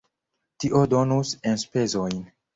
Tio donus enspezojn.